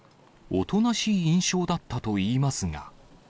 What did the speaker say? おとなしい印象だったといいますが。